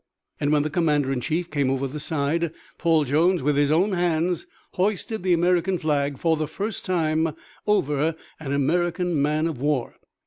And when the commander in chief came over the side, Paul Jones with his own hands hoisted the American flag for the first time over an American man of war.